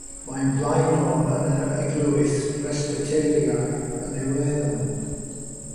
Mae'n flaenor yn yr Eglwys Bresbyteraidd yn Iwerddon.